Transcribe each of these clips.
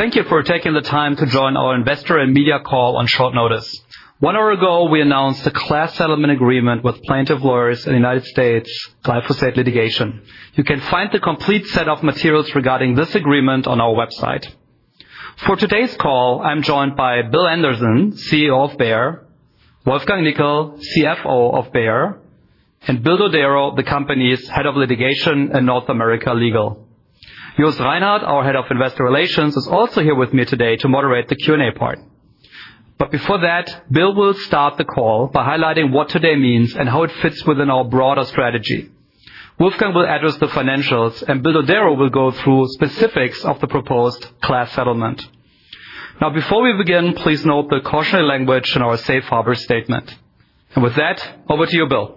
Thank you for taking the time to join our investor and media call on short notice. One hour ago, we announced a class settlement agreement with plaintiff lawyers in the United States glyphosate litigation. You can find the complete set of materials regarding this agreement on our website. For today's call, I'm joined by Bill Anderson, CEO of Bayer, Wolfgang Nickl, CFO of Bayer, and Bill Dodero, the company's Head of Litigation and North America Legal. Jost Reinhard, our Head of Investor Relations, is also here with me today to moderate the Q&A part. But before that, Bill will start the call by highlighting what today means and how it fits within our broader strategy. Wolfgang will address the financials, and Bill Dodero will go through specifics of the proposed class settlement. Now, before we begin, please note the cautionary language in our safe harbor statement. With that, over to you, Bill.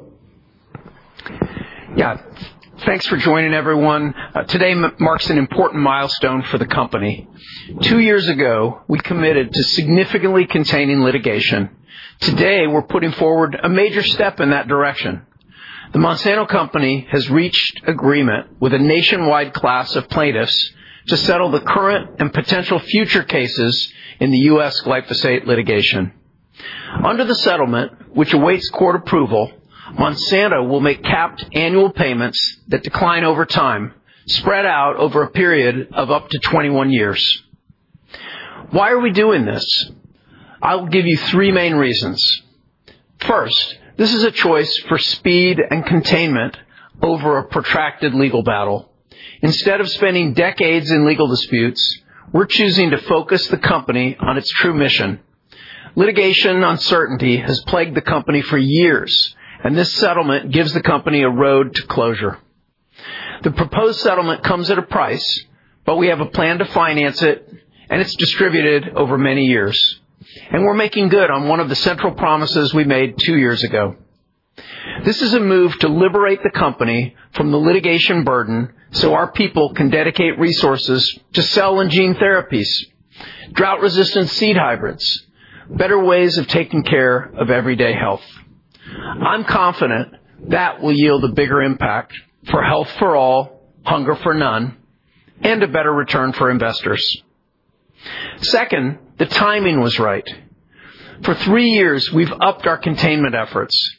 Yeah. Thanks for joining, everyone. Today marks an important milestone for the company. Two years ago, we committed to significantly containing litigation. Today, we're putting forward a major step in that direction. The Monsanto company has reached agreement with a nationwide class of plaintiffs to settle the current and potential future cases in the U.S. glyphosate litigation. Under the settlement, which awaits court approval, Monsanto will make capped annual payments that decline over time, spread out over a period of up to 21 years. Why are we doing this? I'll give you three main reasons. First, this is a choice for speed and containment over a protracted legal battle. Instead of spending decades in legal disputes, we're choosing to focus the company on its true mission. Litigation uncertainty has plagued the company for years, and this settlement gives the company a road to closure. The proposed settlement comes at a price, but we have a plan to finance it, and it's distributed over many years, and we're making good on one of the central promises we made two years ago. This is a move to liberate the company from the litigation burden, so our people can dedicate resources to cell and gene therapies, drought-resistant seed hybrids, better ways of taking care of everyday health. I'm confident that will yield a bigger impact for Health for All, Hunger for None, and a better return for investors. Second, the timing was right. For three years, we've upped our containment efforts.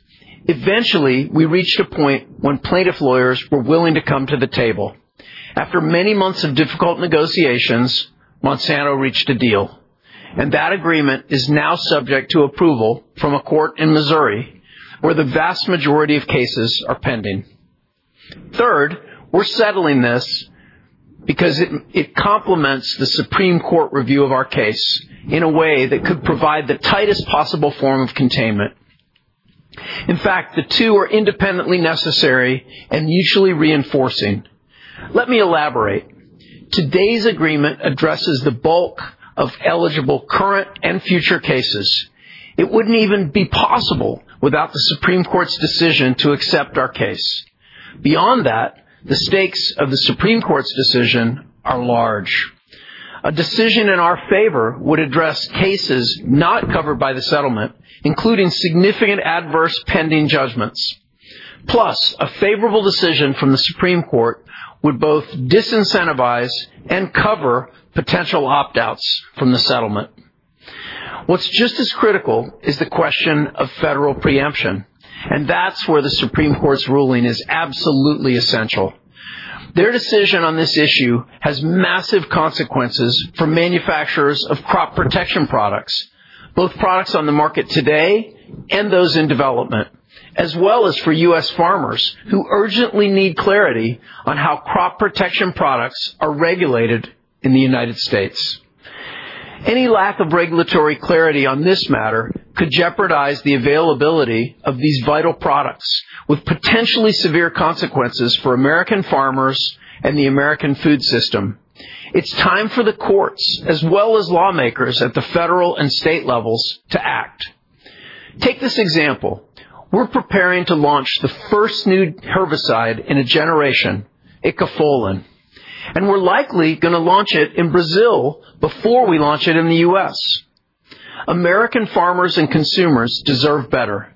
Eventually, we reached a point when plaintiff lawyers were willing to come to the table. After many months of difficult negotiations, Monsanto reached a deal, and that agreement is now subject to approval from a court in Missouri, where the vast majority of cases are pending. Third, we're settling this because it complements the Supreme Court review of our case in a way that could provide the tightest possible form of containment. In fact, the two are independently necessary and mutually reinforcing. Let me elaborate. Today's agreement addresses the bulk of eligible current and future cases. It wouldn't even be possible without the Supreme Court's decision to accept our case. Beyond that, the stakes of the Supreme Court's decision are large. A decision in our favor would address cases not covered by the settlement, including significant adverse pending judgments. Plus, a favorable decision from the Supreme Court would both disincentivize and cover potential opt-outs from the settlement. What's just as critical is the question of federal preemption, and that's where the Supreme Court's ruling is absolutely essential. Their decision on this issue has massive consequences for manufacturers of crop protection products, both products on the market today and those in development, as well as for U.S. farmers, who urgently need clarity on how crop protection products are regulated in the United States. Any lack of regulatory clarity on this matter could jeopardize the availability of these vital products, with potentially severe consequences for American farmers and the American food system. It's time for the courts, as well as lawmakers at the federal and state levels, to act. Take this example: We're preparing to launch the first new herbicide in a generation, Icafolin, and we're likely gonna launch it in Brazil before we launch it in the U.S. American farmers and consumers deserve better.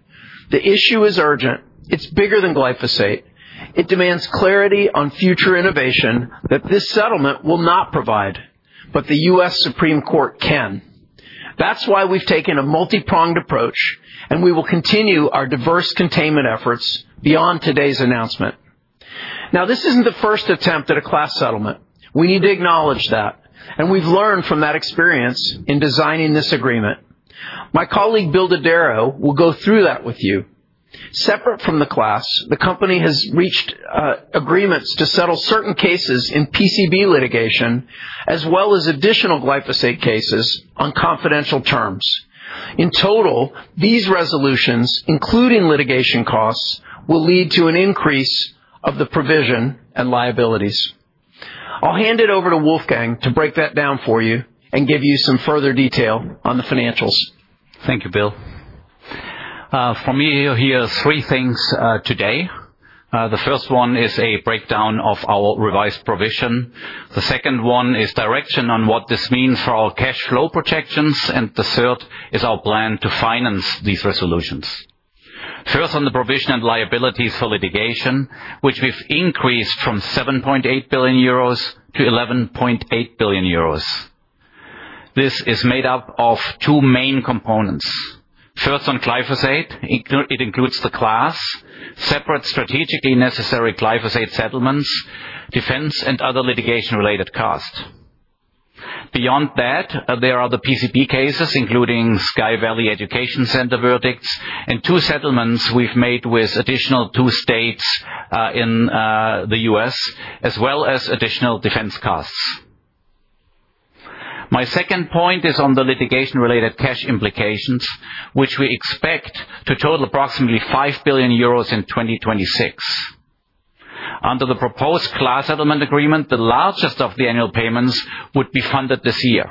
The issue is urgent. It's bigger than glyphosate. It demands clarity on future innovation that this settlement will not provide, but the U.S. Supreme Court can. That's why we've taken a multipronged approach, and we will continue our diverse containment efforts beyond today's announcement. Now, this isn't the first attempt at a class settlement. We need to acknowledge that, and we've learned from that experience in designing this agreement. My colleague, Bill Dodero, will go through that with you. Separate from the class, the company has reached agreements to settle certain cases in PCB litigation, as well as additional glyphosate cases on confidential terms. In total, these resolutions, including litigation costs, will lead to an increase of the provision and liabilities. I'll hand it over to Wolfgang to break that down for you and give you some further detail on the financials. Thank you, Bill. From me, you'll hear three things today. The first one is a breakdown of our revised provision. The second one is direction on what this means for our cash flow protections, and the third is our plan to finance these resolutions. First, on the provision and liabilities for litigation, which we've increased from 7.8 billion euros to 11.8 billion euros. This is made up of two main components. First, on glyphosate, including the class, separate, strategically necessary glyphosate settlements, defense, and other litigation-related costs. Beyond that, there are the PCB cases, including Sky Valley Education Center verdicts and two settlements we've made with additional two states in the U.S., as well as additional defense costs. My second point is on the litigation-related cash implications, which we expect to total approximately 5 billion euros in 2026. Under the proposed class settlement agreement, the largest of the annual payments would be funded this year.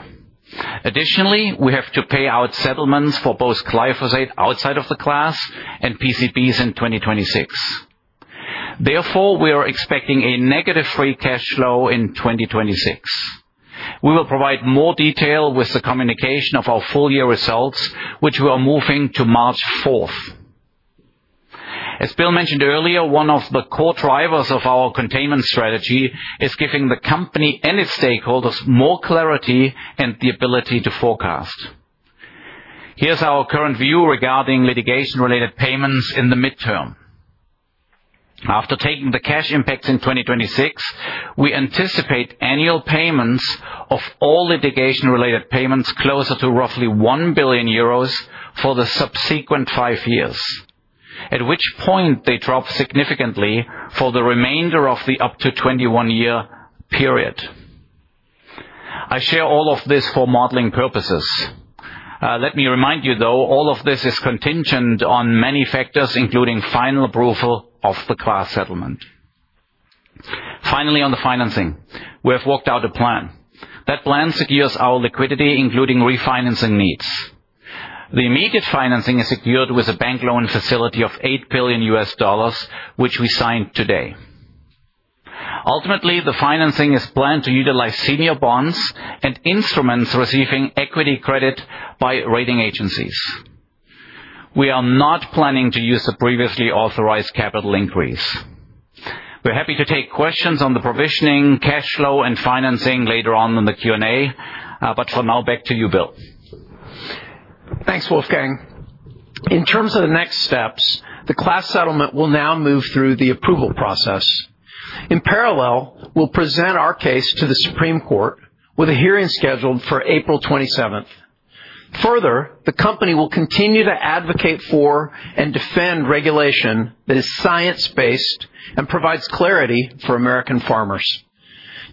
Additionally, we have to pay out settlements for both glyphosate outside of the class and PCBs in 2026. Therefore, we are expecting a negative free cash flow in 2026. We will provide more detail with the communication of our full year results, which we are moving to March fourth. As Bill mentioned earlier, one of the core drivers of our containment strategy is giving the company and its stakeholders more clarity and the ability to forecast. Here's our current view regarding litigation-related payments in the midterm. After taking the cash impacts in 2026, we anticipate annual payments of all litigation-related payments closer to roughly 1 billion euros for the subsequent five years, at which point they drop significantly for the remainder of the up to 21-year period. I share all of this for modeling purposes. Let me remind you, though, all of this is contingent on many factors, including final approval of the class settlement. Finally, on the financing, we have worked out a plan. That plan secures our liquidity, including refinancing needs. The immediate financing is secured with a bank loan facility of $8 billion, which we signed today. Ultimately, the financing is planned to utilize senior bonds and instruments receiving equity credit by rating agencies. We are not planning to use the previously authorized capital increase. We're happy to take questions on the provisioning, cash flow, and financing later on in the Q&A. But for now, back to you, Bill. Thanks, Wolfgang. In terms of the next steps, the class settlement will now move through the approval process. In parallel, we'll present our case to the Supreme Court, with a hearing scheduled for April 27th. Further, the company will continue to advocate for and defend regulation that is science-based and provides clarity for American farmers.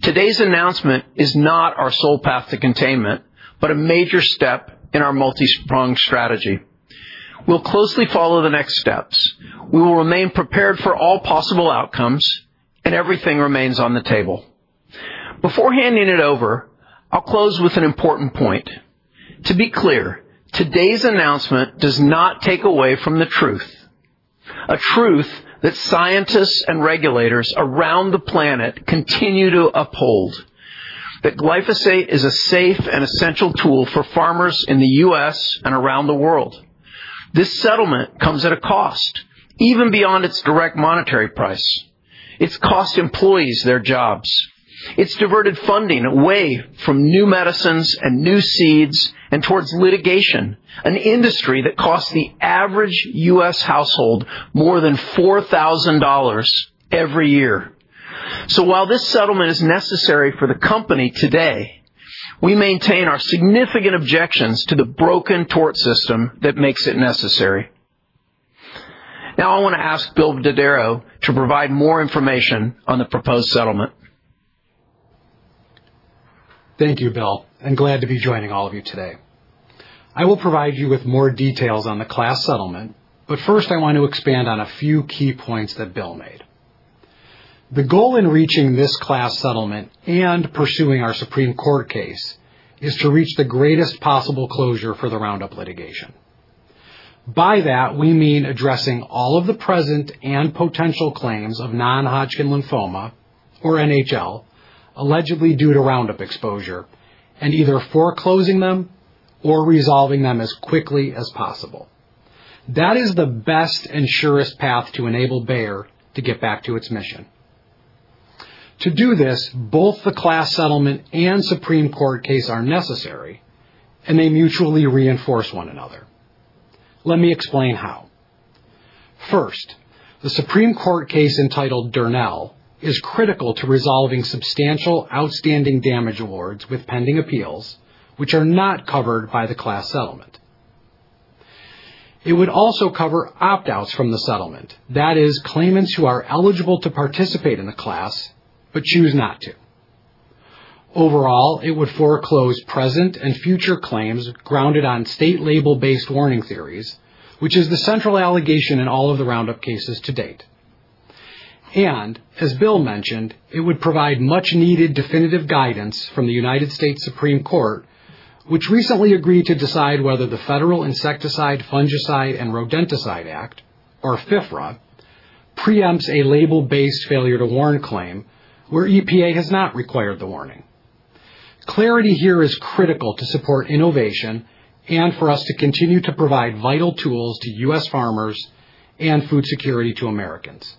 Today's announcement is not our sole path to containment, but a major step in our multipronged strategy. We'll closely follow the next steps. We will remain prepared for all possible outcomes, and everything remains on the table. Before handing it over, I'll close with an important point. To be clear, today's announcement does not take away from the truth, a truth that scientists and regulators around the planet continue to uphold, that glyphosate is a safe and essential tool for farmers in the U.S. and around the world. This settlement comes at a cost, even beyond its direct monetary price. It's cost employees their jobs. It's diverted funding away from new medicines and new seeds, and towards litigation, an industry that costs the average U.S. household more than $4,000 every year. So while this settlement is necessary for the company today, we maintain our significant objections to the broken tort system that makes it necessary. Now, I want to ask Bill Dodero to provide more information on the proposed settlement. Thank you, Bill, and glad to be joining all of you today. I will provide you with more details on the class settlement, but first, I want to expand on a few key points that Bill made. The goal in reaching this class settlement and pursuing our Supreme Court case is to reach the greatest possible closure for the Roundup litigation. By that, we mean addressing all of the present and potential claims of Non-Hodgkin lymphoma, or NHL, allegedly due to Roundup exposure, and either foreclosing them or resolving them as quickly as possible. That is the best and surest path to enable Bayer to get back to its mission. To do this, both the class settlement and Supreme Court case are necessary, and they mutually reinforce one another. Let me explain how. First, the Supreme Court case, entitled Durnell, is critical to resolving substantial outstanding damage awards with pending appeals, which are not covered by the class settlement. It would also cover opt-outs from the settlement, that is, claimants who are eligible to participate in the class but choose not to. Overall, it would foreclose present and future claims grounded on state label-based warning theories, which is the central allegation in all of the Roundup cases to date. And as Bill mentioned, it would provide much-needed definitive guidance from the United States Supreme Court, which recently agreed to decide whether the Federal Insecticide, Fungicide, and Rodenticide Act, or FIFRA, preempts a label-based failure to warn claim where EPA has not required the warning. Clarity here is critical to support innovation and for us to continue to provide vital tools to U.S. farmers and food security to Americans.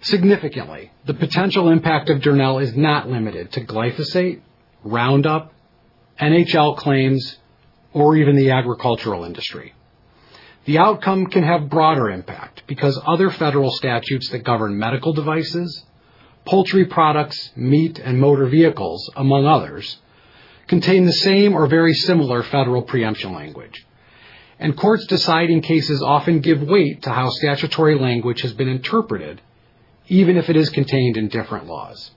Significantly, the potential impact of Durnell is not limited to glyphosate, Roundup, NHL claims, or even the agricultural industry. The outcome can have broader impact because other federal statutes that govern medical devices, poultry products, meat, and motor vehicles, among others, contain the same or very similar federal preemption language. Courts deciding cases often give weight to how statutory language has been interpreted, even if it is contained in different laws.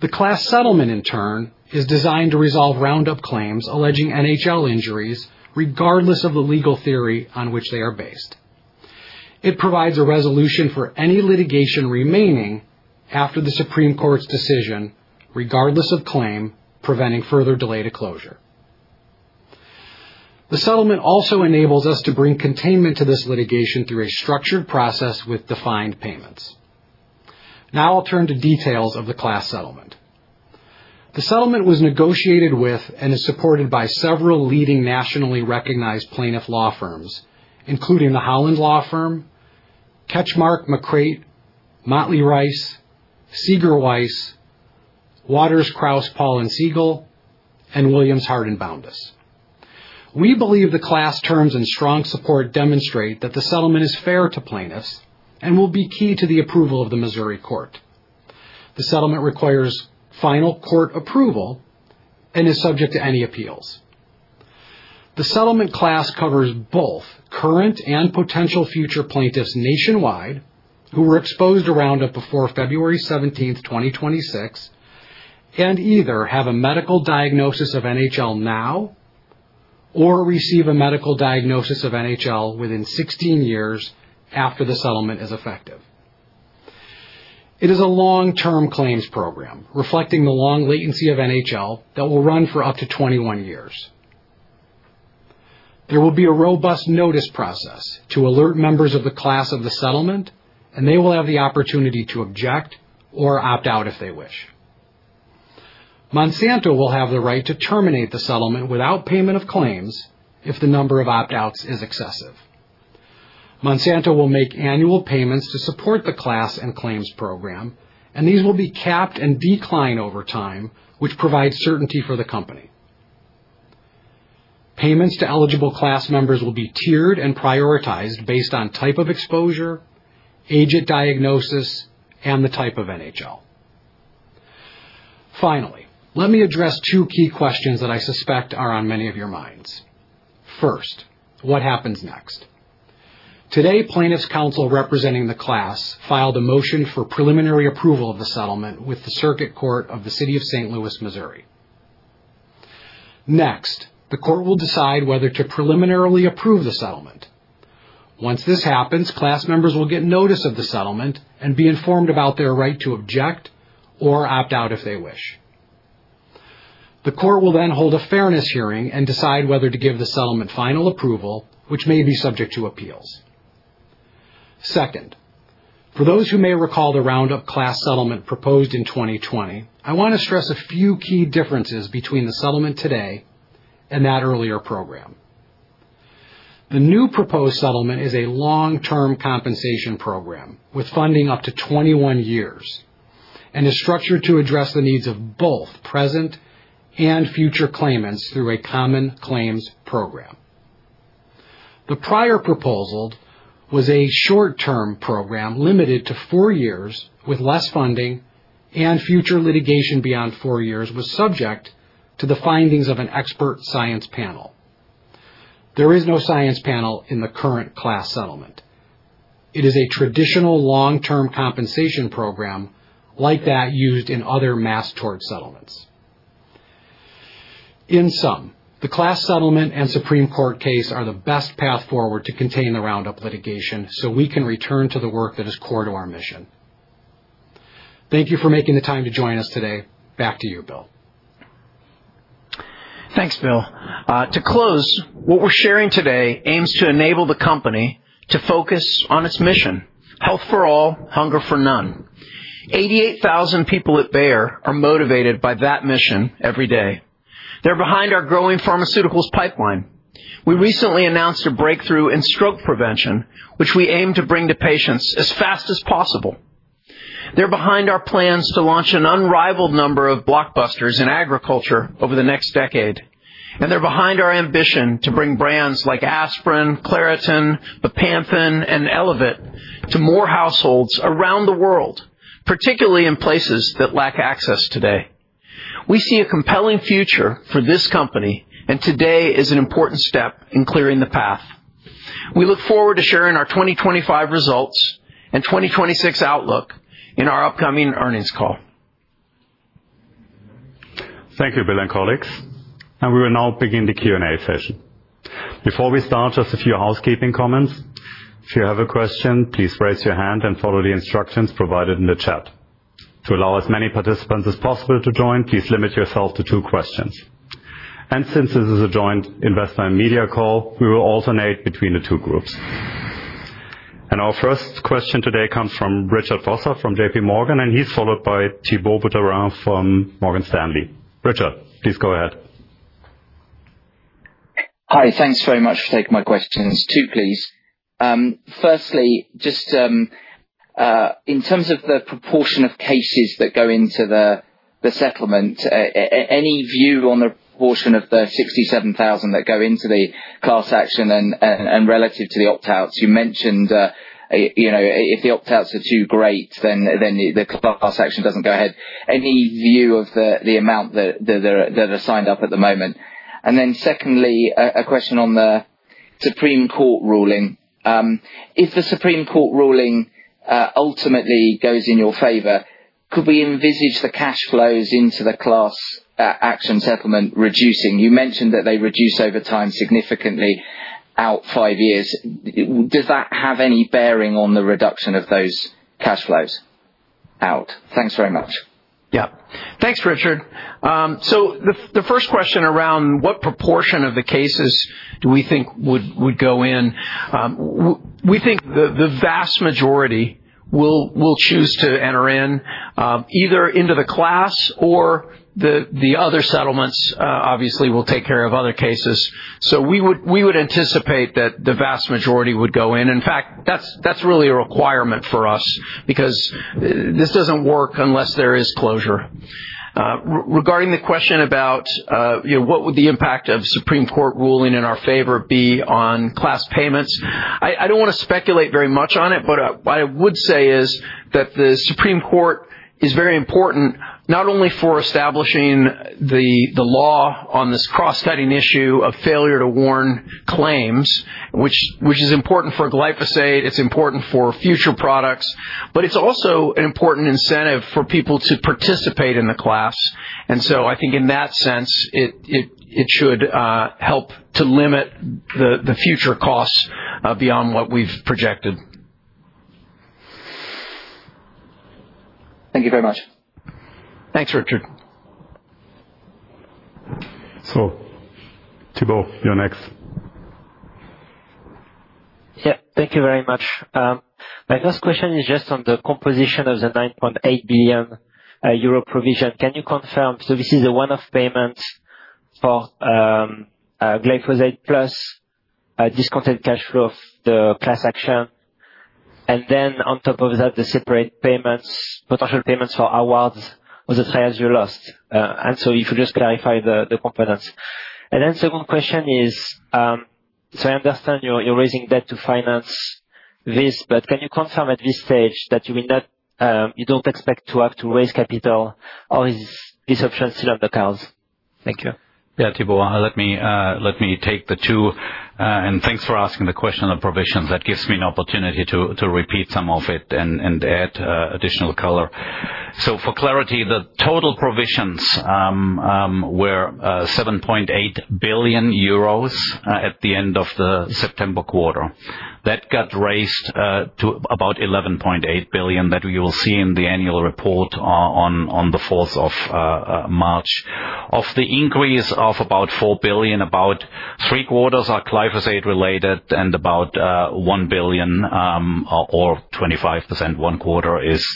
The class settlement, in turn, is designed to resolve Roundup claims alleging NHL injuries, regardless of the legal theory on which they are based. It provides a resolution for any litigation remaining after the Supreme Court's decision, regardless of claim, preventing further delay to closure. The settlement also enables us to bring containment to this litigation through a structured process with defined payments. Now I'll turn to details of the class settlement. The settlement was negotiated with and is supported by several leading, nationally recognized plaintiff law firms, including the Holland Law Firm, Ketchmark & McCreight, Motley Rice, Seeger Weiss, Waters Kraus & Paul, and Williams Hart Boundas Easterby. We believe the class terms and strong support demonstrate that the settlement is fair to plaintiffs and will be key to the approval of the Missouri Court. The settlement requires final court approval and is subject to any appeals. The settlement class covers both current and potential future plaintiffs nationwide who were exposed to Roundup before February 17, 2026, and either have a medical diagnosis of NHL now or receive a medical diagnosis of NHL within 16 years after the settlement is effective. It is a long-term claims program, reflecting the long latency of NHL, that will run for up to 21 years. There will be a robust notice process to alert members of the class of the settlement, and they will have the opportunity to object or opt out if they wish. Monsanto will have the right to terminate the settlement without payment of claims if the number of opt-outs is excessive. Monsanto will make annual payments to support the class and claims program, and these will be capped and decline over time, which provides certainty for the company. Payments to eligible class members will be tiered and prioritized based on type of exposure, age at diagnosis, and the type of NHL. Finally, let me address two key questions that I suspect are on many of your minds. First, what happens next? Today, plaintiff's counsel, representing the class, filed a motion for preliminary approval of the settlement with the Circuit Court of the City of St. Louis, Missouri. Next, the court will decide whether to preliminarily approve the settlement. Once this happens, class members will get notice of the settlement and be informed about their right to object or opt out if they wish. The court will then hold a fairness hearing and decide whether to give the settlement final approval, which may be subject to appeals. Second, for those who may recall the Roundup class settlement proposed in 2020, I want to stress a few key differences between the settlement today and that earlier program. The new proposed settlement is a long-term compensation program with funding up to 21 years and is structured to address the needs of both present and future claimants through a common claims program. The prior proposal was a short-term program, limited to four years with less funding, and future litigation beyond four years was subject to the findings of an expert science panel. There is no science panel in the current class settlement. It is a traditional long-term compensation program like that used in other mass tort settlements. In sum, the class settlement and Supreme Court case are the best path forward to contain the Roundup litigation so we can return to the work that is core to our mission. Thank you for making the time to join us today. Back to you, Bill. Thanks, Bill. To close, what we're sharing today aims to enable the company to focus on its mission: Health for all, hunger for none. 88,000 people at Bayer are motivated by that mission every day. They're behind our growing pharmaceuticals pipeline. We recently announced a breakthrough in stroke prevention, which we aim to bring to patients as fast as possible. They're behind our plans to launch an unrivaled number of blockbusters in agriculture over the next decade. They're behind our ambition to bring brands like Aspirin, Claritin, Bepanthen, and Elevit to more households around the world, particularly in places that lack access today. We see a compelling future for this company, and today is an important step in clearing the path. We look forward to sharing our 2025 results and 2026 outlook in our upcoming earnings call. Thank you, Bill and colleagues. We will now begin the Q&A session. Before we start, just a few housekeeping comments. If you have a question, please raise your hand and follow the instructions provided in the chat. To allow as many participants as possible to join, please limit yourself to two questions. Since this is a joint investor and media call, we will alternate between the two groups. And our first question today comes from Richard Vosser from JP Morgan, and he's followed by Thibault Boutherin from Morgan Stanley. Richard, please go ahead. Hi. Thanks very much for taking my questions. Two, please. Firstly, just, in terms of the proportion of cases that go into the settlement, any view on the proportion of the 67,000 that go into the class action and relative to the opt-outs? You mentioned, you know, if the opt-outs are too great, then the class action doesn't go ahead. Any view of the amount that are signed up at the moment? And then secondly, a question on the Supreme Court ruling. If the Supreme Court ruling ultimately goes in your favor, could we envisage the cash flows into the class action settlement reducing? You mentioned that they reduce over time significantly out five years. Does that have any bearing on the reduction of those cash flows out? Thanks very much. Yeah. Thanks, Richard. So the first question around what proportion of the cases do we think would go in, we think the vast majority will choose to enter in either into the class or the other settlements, obviously will take care of other cases. So we would anticipate that the vast majority would go in. In fact, that's really a requirement for us because this doesn't work unless there is closure. Regarding the question about, you know, what would the impact of Supreme Court ruling in our favor be on class payments, I don't wanna speculate very much on it, but what I would say is that the Supreme Court is very important, not only for establishing the law on this cross-cutting issue of failure to warn claims, which is important for glyphosate, it's important for future products, but it's also an important incentive for people to participate in the class. And so I think in that sense, it should help to limit the future costs beyond what we've projected. Thank you very much. Thanks, Richard. So, Thibault, you're next. Yeah, thank you very much. My first question is just on the composition of the 9.8 billion euro provision. Can you confirm, so this is a one-off payment for glyphosate plus a discounted cash flow of the class action, and then on top of that, the separate payments, potential payments for awards or the trials you lost. And so if you could just clarify the components. And then second question is, so I understand you're raising debt to finance this, but can you confirm at this stage that you will not, you don't expect to have to raise capital, or is this option still on the cards? Thank you. Yeah, Thibault, let me take the two. And thanks for asking the question on the provisions. That gives me an opportunity to repeat some of it and add additional color. So for clarity, the total provisions were 7.8 billion euros at the end of the September quarter. That got raised to about 11.8 billion that you will see in the annual report on the fourth of March. Of the increase of about 4 billion, about three quarters are glyphosate related, and about 1 billion, or 25%, one quarter, is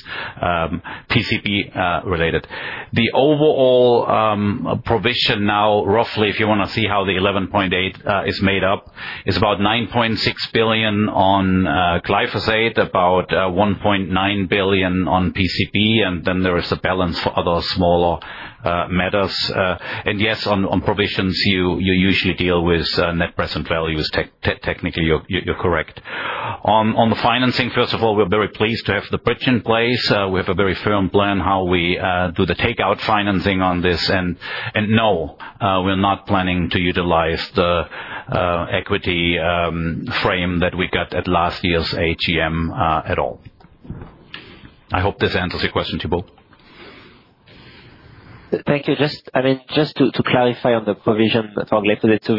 PCB related. The overall provision now, roughly, if you wanna see how the $11.8 billion is made up, is about $9.6 billion on glyphosate, about $1.9 billion on PCB, and then there is a balance for other smaller matters. And yes, on provisions, you usually deal with net present values. Technically, you're correct. On the financing, first of all, we're very pleased to have the bridge in place. We have a very firm plan how we do the takeout financing on this, and no, we're not planning to utilize the equity frame that we got at last year's AGM at all. I hope this answers your question, Thibault. Thank you. Just, I mean, just to clarify on the provision for glyphosate, so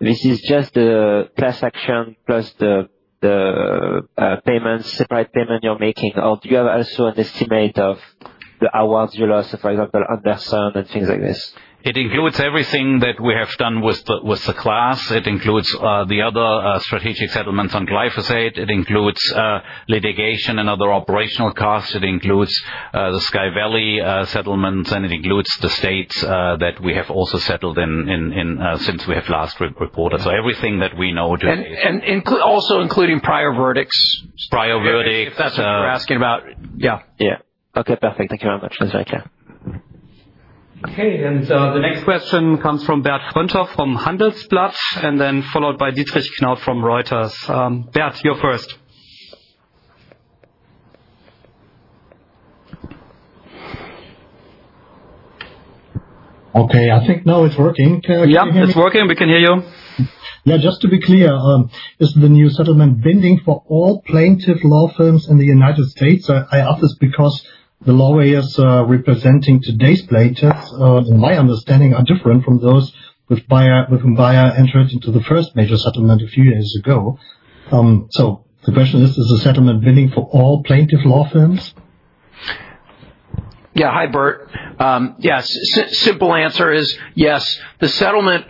this is just the class action, plus the payments, separate payment you're making, or do you have also an estimate of the awards you lost, for example, Anderson and things like this? It includes everything that we have done with the class. It includes the other strategic settlements on glyphosate. It includes litigation and other operational costs. It includes the Sky Valley settlements, and it includes the states that we have also settled in since we have last reported. So everything that we know to date. Also including prior verdicts. Prior verdicts. If that's what you're asking about, yeah. Yeah. Okay, perfect. Thank you very much. That's very clear. Okay, and the next question comes from Bert Günther from Handelsblatt, and then followed by Dietrich Knauth from Reuters. Bert, you're first. Okay, I think now it's working. Can you hear me? Yep, it's working. We can hear you. Yeah, just to be clear, is the new settlement binding for all plaintiff law firms in the United States? I ask this because the lawyers representing today's plaintiffs, in my understanding, are different from those with Bayer, with whom Bayer entered into the first major settlement a few years ago. So the question is, is the settlement binding for all plaintiff law firms? Yeah. Hi, Bert. Yes, simple answer is yes, the settlement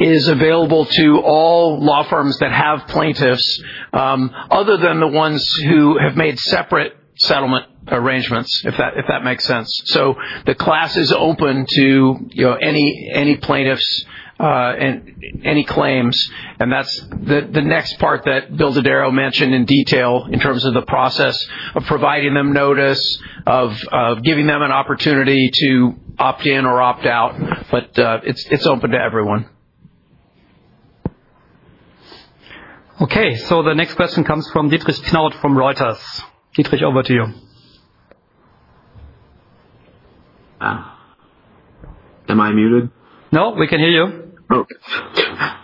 is available to all law firms that have plaintiffs, other than the ones who have made separate settlement arrangements, if that, if that makes sense. So the class is open to, you know, any, any plaintiffs, and any claims, and that's the next part that Bill Dodero mentioned in detail in terms of the process of providing them notice, of giving them an opportunity to opt in or opt out. But, it's open to everyone. Okay, so the next question comes from Dietrich Knauth from Reuters. Dietrich, over to you. Ah, am I muted? No, we can hear you. Oh,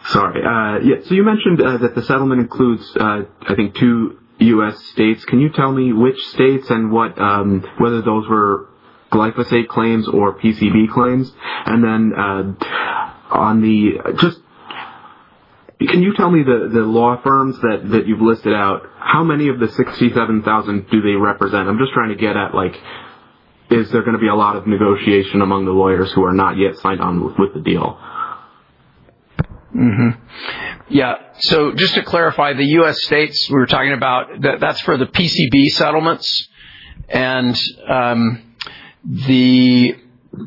sorry. Yeah, so you mentioned that the settlement includes, I think, two U.S. states. Can you tell me which states and what, whether those were glyphosate claims or PCB claims? And then, just, can you tell me the law firms that you've listed out, how many of the 67,000 do they represent? I'm just trying to get at, like, is there gonna be a lot of negotiation among the lawyers who are not yet signed on with the deal? Yeah. So just to clarify, the U.S. states we were talking about, that's for the PCB settlements. And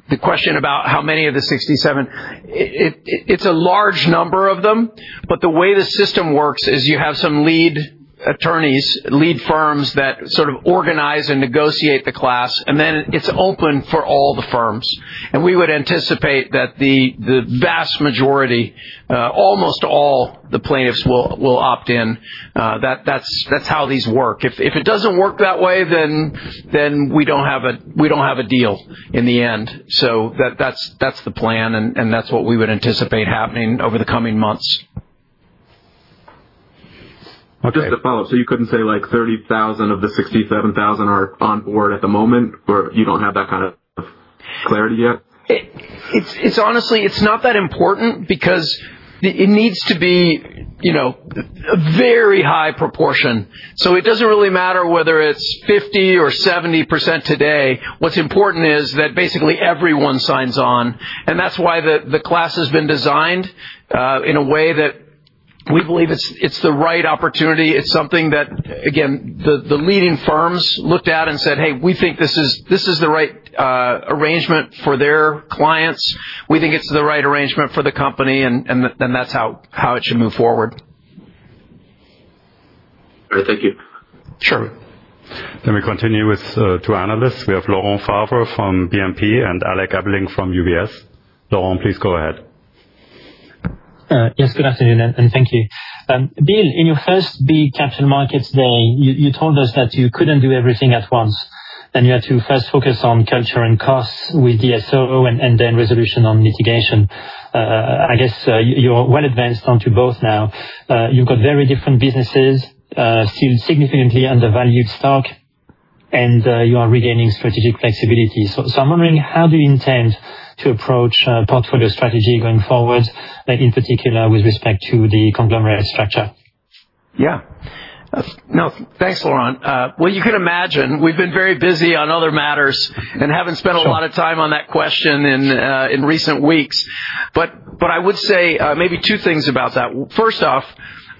the question about how many of the 67, it's a large number of them, but the way the system works is you have some lead attorneys, lead firms that sort of organize and negotiate the class, and then it's open for all the firms. And we would anticipate that the vast majority, almost all the plaintiffs will opt in. That's how these work. If it doesn't work that way, then we don't have a deal in the end. So that's the plan, and that's what we would anticipate happening over the coming months. Okay, just to follow up, so you couldn't say, like, 30,000 of the 67,000 are on board at the moment, or you don't have that kind of clarity yet? It's honestly not that important because it needs to be, you know, a very high proportion, so it doesn't really matter whether it's 50% or 70% today. What's important is that basically everyone signs on, and that's why the class has been designed in a way that we believe it's the right opportunity. It's something that, again, the leading firms looked at and said, "Hey, we think this is the right arrangement for their clients. We think it's the right arrangement for the company, and then that's how it should move forward. All right, thank you. Sure. Let me continue with two analysts. We have Laurent Favre from BNP and Alec Ebeling from UBS. Laurent, please go ahead. Yes, good afternoon, and thank you. Bill, in your first big capital markets day, you told us that you couldn't do everything at once, and you had to first focus on culture and costs with DSO and then resolution on litigation. I guess, you're well advanced onto both now. You've got very different businesses, still significantly undervalued stock, and you are regaining strategic flexibility. So I'm wondering, how do you intend to approach portfolio strategy going forward, in particular with respect to the conglomerate structure? Yeah. No, thanks, Laurent. Well, you can imagine, we've been very busy on other matters and haven't spent- Sure. A lot of time on that question in recent weeks. But I would say maybe two things about that. First off,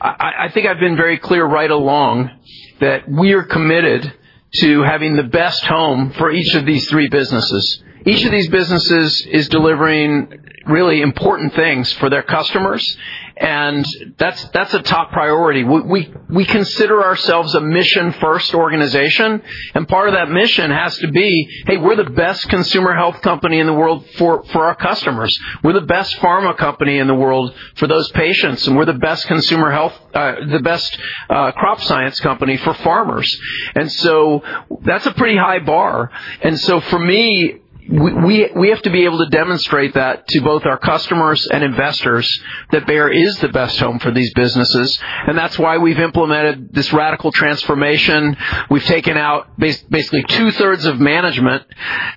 I think I've been very clear right along that we are committed to having the best home for each of these three businesses. Each of these businesses is delivering really important things for their customers, and that's a top priority. We consider ourselves a mission-first organization, and part of that mission has to be, "Hey, we're the best consumer health company in the world for our customers. We're the best pharma company in the world for those patients, and we're the best consumer health, the best crop science company for farmers." And so that's a pretty high bar. And so for me, we have to be able to demonstrate that to both our customers and investors, that Bayer is the best home for these businesses, and that's why we've implemented this radical transformation. We've taken out basically 2/3 of management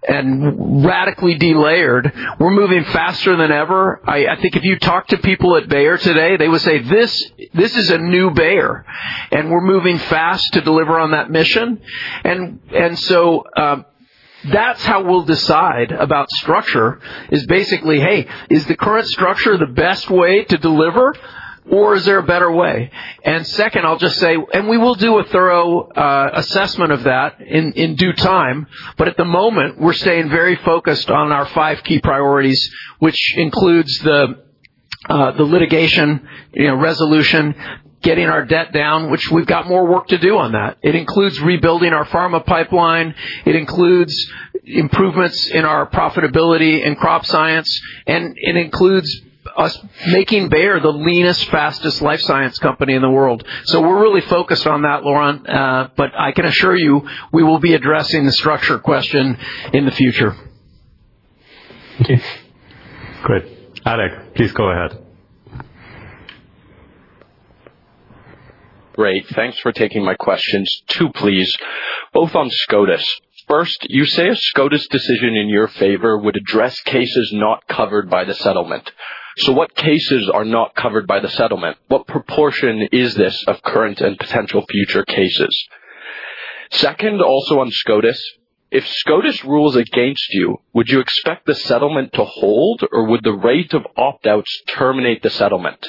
and radically delayered. We're moving faster than ever. I think if you talk to people at Bayer today, they would say, "This is a new Bayer," and we're moving fast to deliver on that mission. And so, that's how we'll decide about structure is basically, "Hey, is the current structure the best way to deliver, or is there a better way?" And second, I'll just say. We will do a thorough assessment of that in due time, but at the moment, we're staying very focused on our five key priorities, which includes the litigation, you know, resolution, getting our debt down, which we've got more work to do on that. It includes rebuilding our pharma pipeline. It includes improvements in our profitability in crop science, and it includes us making Bayer the leanest, fastest life science company in the world. So we're really focused on that, Laurent, but I can assure you, we will be addressing the structure question in the future. Okay. Great. Alec, please go ahead. Great. Thanks for taking my questions. two, please, both on SCOTUS. First, you say a SCOTUS decision in your favor would address cases not covered by the settlement. So what cases are not covered by the settlement? What proportion is this of current and potential future cases? Second, also on SCOTUS: If SCOTUS rules against you, would you expect the settlement to hold, or would the rate of opt-outs terminate the settlement?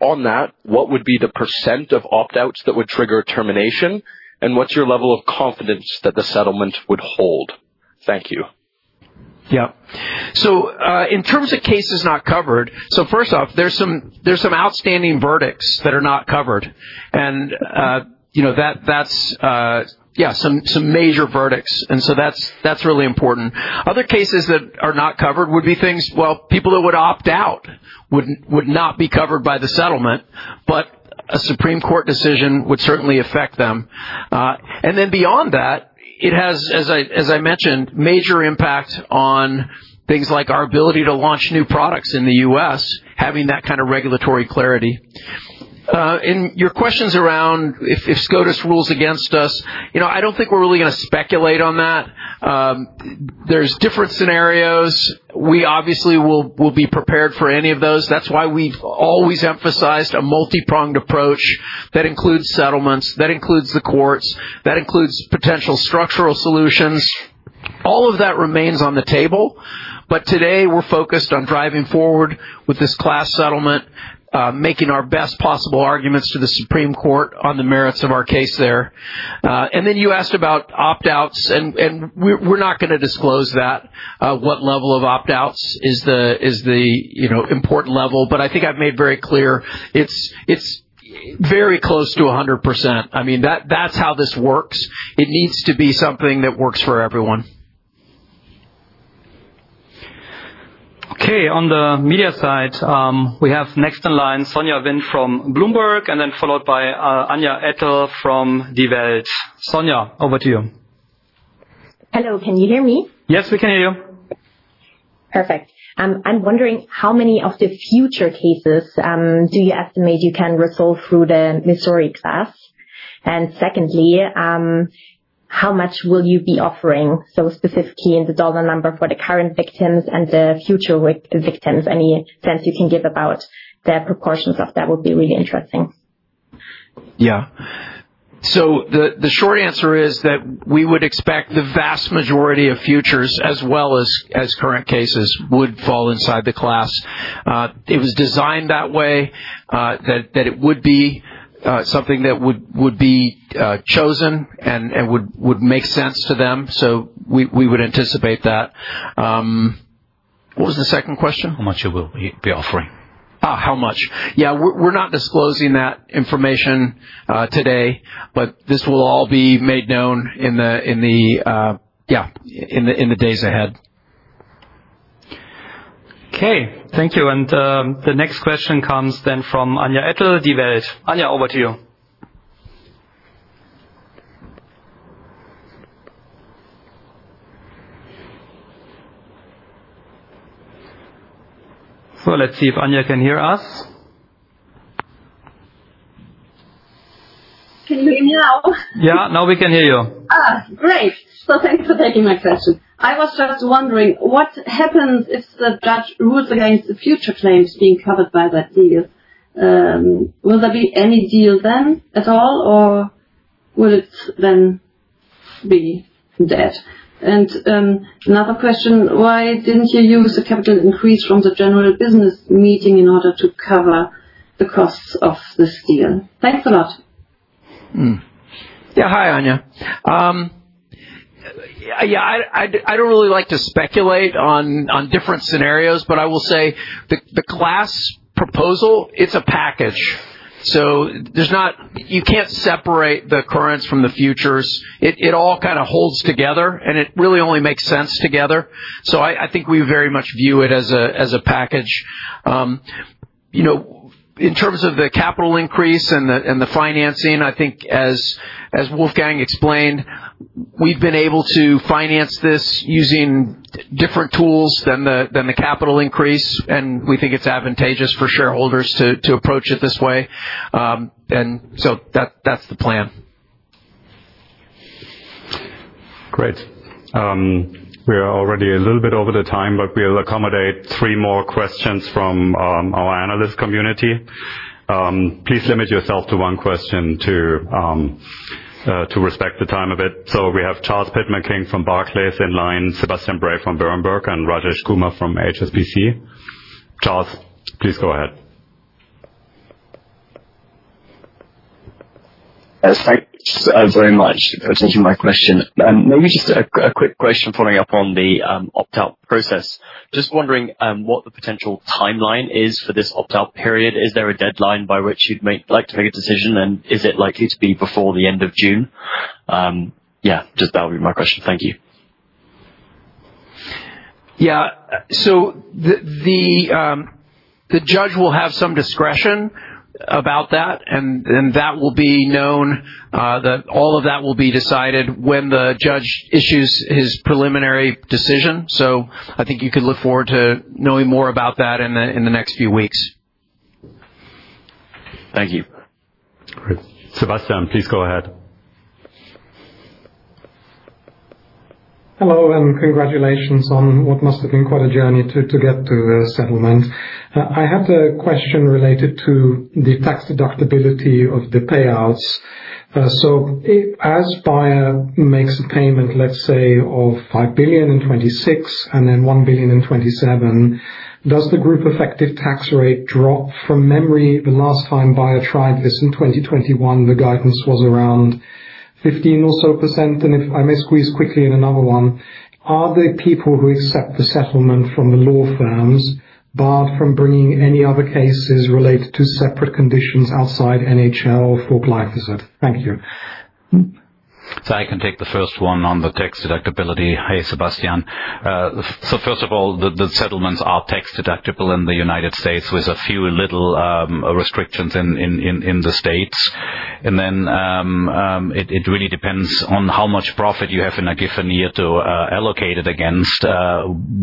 On that, what would be the percent of opt-outs that would trigger termination, and what's your level of confidence that the settlement would hold? Thank you. Yeah. So, in terms of cases not covered, so first off, there's some outstanding verdicts that are not covered, and you know that, that's yeah, some major verdicts, and so that's really important. Other cases that are not covered would be things. Well, people that would opt out would not be covered by the settlement, but a Supreme Court decision would certainly affect them. And then beyond that, it has, as I mentioned, major impact on things like our ability to launch new products in the U.S., having that kind of regulatory clarity. And your questions around if SCOTUS rules against us, you know, I don't think we're really gonna speculate on that. There's different scenarios. We obviously will be prepared for any of those. That's why we've always emphasized a multipronged approach that includes settlements, that includes the courts, that includes potential structural solutions. All of that remains on the table, but today, we're focused on driving forward with this class settlement, making our best possible arguments to the Supreme Court on the merits of our case there. And then you asked about opt-outs, and we're not gonna disclose that, what level of opt-outs is the, is the, you know, important level, but I think I've made very clear, it's very close to 100%. I mean, that's how this works. It needs to be something that works for everyone. Okay, on the media side, we have next in line, Sonja Wind from Bloomberg, and then followed by, Anja Ettel from Die Welt. Sonja, over to you. Hello, can you hear me? Yes, we can hear you. Perfect. I'm wondering how many of the future cases do you estimate you can resolve through the Missouri class? And secondly, how much will you be offering, so specifically in the dollar number for the current victims and the future victims? Any sense you can give about the proportions of that would be really interesting. Yeah. So the short answer is that we would expect the vast majority of futures as well as current cases would fall inside the class. It was designed that way, that it would be something that would be chosen and would make sense to them. So we would anticipate that. What was the second question? How much you will be offering? Ah, how much? Yeah, we're not disclosing that information today, but this will all be made known in the days ahead. Okay, thank you. And, the next question comes then from Anja Ettel, Die Welt. Anja, over to you. So let's see if Anja can hear us? Can you hear me now? Yeah, now we can hear you. Ah, great! So thanks for taking my question. I was just wondering, what happens if the judge rules against the future claims being covered by that deal? Will there be any deal then at all, or will it then be dead? And another question, why didn't you use the capital increase from the general business meeting in order to cover the costs of this deal? Thanks a lot. Yeah. Hi, Anja. Yeah, I don't really like to speculate on different scenarios, but I will say the class proposal, it's a package, so there's not you can't separate the currents from the futures. It all kind of holds together, and it really only makes sense together. So I think we very much view it as a package. You know, in terms of the capital increase and the financing, I think as Wolfgang explained, we've been able to finance this using different tools than the capital increase, and we think it's advantageous for shareholders to approach it this way. And so that's the plan. Great. We are already a little bit over the time, but we'll accommodate three more questions from our analyst community. Please limit yourself to one question to respect the time a bit. So we have Charles Pitman-King from Barclays, in line, Sebastian Bray from Berenberg and Rajesh Kumar from HSBC. Charles, please go ahead. Yes, thanks, very much for taking my question. Maybe just a quick question following up on the opt-out process. Just wondering, what the potential timeline is for this opt-out period. Is there a deadline by which you'd like to make a decision, and is it likely to be before the end of June? Yeah, just that would be my question. Thank you. Yeah. So the judge will have some discretion about that, and that will be known, that all of that will be decided when the judge issues his preliminary decision. So I think you can look forward to knowing more about that in the next few weeks. Thank you. Great. Sebastian, please go ahead. Hello, and congratulations on what must have been quite a journey to get to the settlement. I had a question related to the tax deductibility of the payouts. So as Bayer makes a payment, let's say, of $5 billion in 2026 and then $1 billion in 2027, does the group effective tax rate drop? From memory, the last time Bayer tried this in 2021, the guidance was around 15% or so. And if I may squeeze quickly in another one, are there people who accept the settlement from the law firms barred from bringing any other cases related to separate conditions outside NHL for glyphosate? Thank you. So I can take the first one on the tax deductibility. Hey, Sebastian. So first of all, the settlements are tax deductible in the United States, with a few little restrictions in the States. And then, it really depends on how much profit you have in a given year to allocate it against,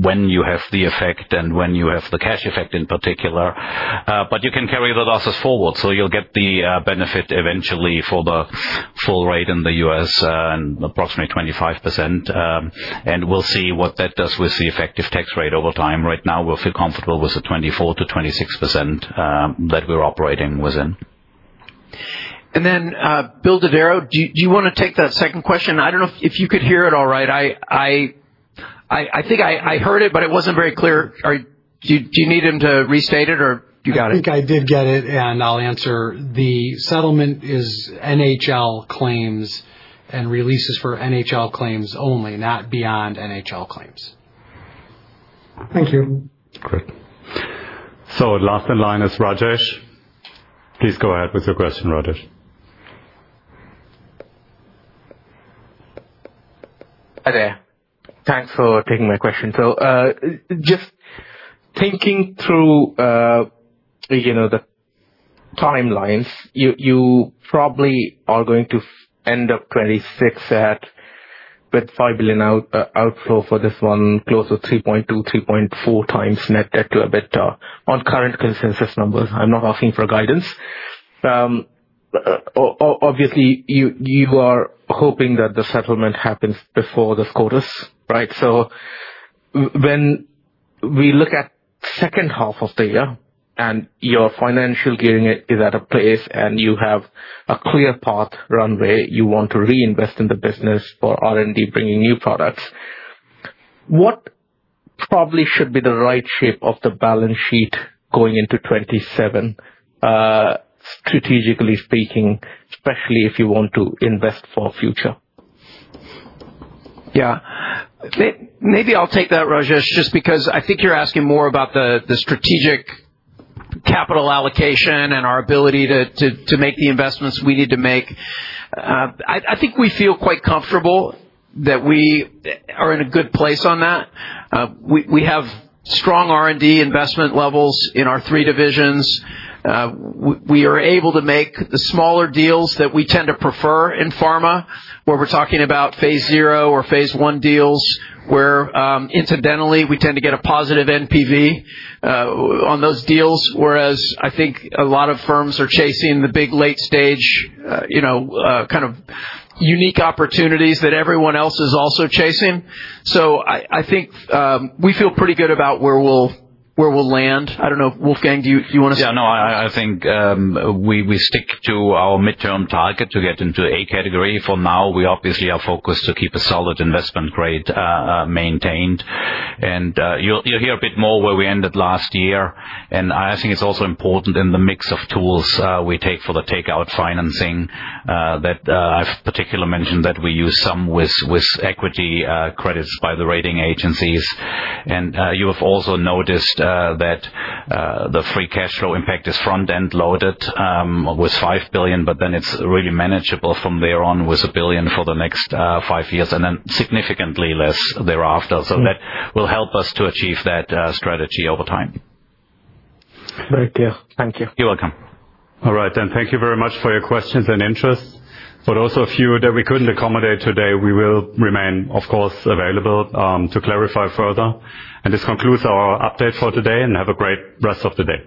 when you have the effect and when you have the cash effect in particular. But you can carry the losses forward, so you'll get the benefit eventually for the full rate in the US, and approximately 25%. And we'll see what that does with the effective tax rate over time. Right now, we feel comfortable with the 24%-26% that we're operating within. And then, Bill Dodero, do you wanna take that second question? I don't know if you could hear it all right. I think I heard it, but it wasn't very clear. Do you need him to restate it, or you got it? I think I did get it, and I'll answer. The settlement is NHL claims and releases for NHL claims only, not beyond NHL claims. Thank you. Great. So last in line is Rajesh. Please go ahead with your question, Rajesh. Hi there. Thanks for taking my question. So, just thinking through, you know, the timelines, you probably are going to end up 2026 with $5 billion outflow for this one, close to 3.2-3.4 times net debt to EBITDA on current consensus numbers. I'm not asking for guidance. Obviously, you are hoping that the settlement happens before this quarter's, right? So when we look at second half of the year, and your financial gearing is at a place, and you have a clear path runway, you want to reinvest in the business for R&D, bringing new products. What probably should be the right shape of the balance sheet going into 2027, strategically speaking, especially if you want to invest for future? Yeah. Maybe I'll take that, Rajesh, just because I think you're asking more about the strategic capital allocation and our ability to make the investments we need to make. I think we feel quite comfortable that we are in a good place on that. We have strong R&D investment levels in our three divisions. We are able to make the smaller deals that we tend to prefer in pharma, where we're talking about phase zero or phase one deals, where incidentally, we tend to get a positive NPV on those deals. Whereas, I think a lot of firms are chasing the big, late stage, you know, kind of unique opportunities that everyone else is also chasing. So I think we feel pretty good about where we'll land. I don't know. Wolfgang, do you wanna Yeah. No, I think we stick to our midterm target to get into A category. For now, we obviously are focused to keep a solid investment grade maintained. And you'll hear a bit more where we ended last year. And I think it's also important in the mix of tools we take for the takeout financing that I've particularly mentioned that we use some with equity credits by the rating agencies. And you have also noticed that the free cash flow impact is front end loaded with 5 billion, but then it's really manageable from there on, with 1 billion for the next five years, and then significantly less thereafter. So that will help us to achieve that strategy over time. Very clear. Thank you. You're welcome. All right, then. Thank you very much for your questions and interest, but also a few that we couldn't accommodate today. We will remain, of course, available to clarify further. This concludes our update for today, and have a great rest of the day.